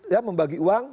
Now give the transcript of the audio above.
dia membagi uang